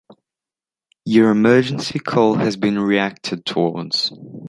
Your emergency call has been reacted towards.